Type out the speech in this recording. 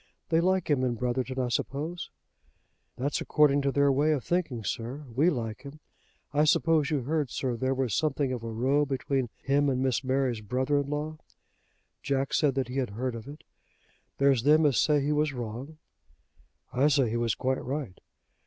They like him in Brotherton, I suppose?" "That's according to their way of thinking, sir. We like him. I suppose you heard, sir, there was something of a row between him and Miss Mary's brother in law!" Jack said that he had heard of it. "There's them as say he was wrong." "I say he was quite right."